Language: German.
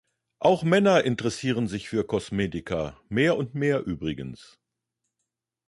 Auch Männer interessieren sich für Kosmetika, mehr und mehr übrigens.